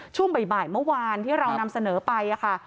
ช่วงบ่ายเมื่อวานที่เรานำเสนอไปค่ะ